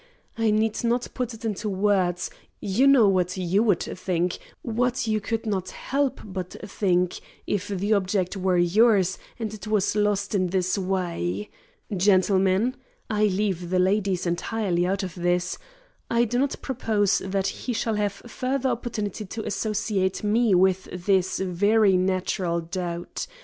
I need not put it into words; you know what you would think, what you could not help but think, if the object were yours and it was lost in this way. Gentlemen I leave the ladies entirely out of this I do not propose that he shall have further opportunity to associate me with this very natural doubt.